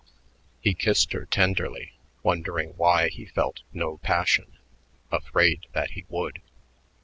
He kissed her tenderly, wondering why he felt no passion, afraid that he would.